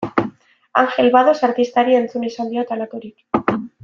Angel Bados artistari entzun izan diot halakorik.